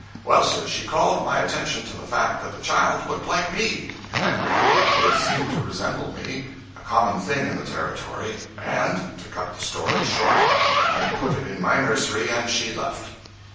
Well, sir, she called my attention to the fact that the child looked like me, and really it did seem to resemble me—a common thing in the Territory—and, to cut the story short, I put it in my nursery, and she left.